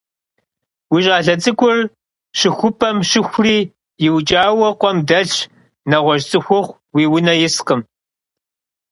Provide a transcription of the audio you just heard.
Уи щӀалэ закъуэр щыхупӀэм щыхури, иукӀауэ къуэм дэлъщ. НэгъуэщӀ цӀыхухъу уи унэ искъым.